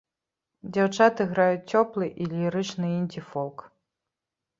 Дзяўчаты граюць цёплы і лірычны індзі-фолк.